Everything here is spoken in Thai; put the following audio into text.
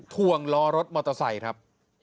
ถวงล้อรถมอเตอร์ไซค์ครับ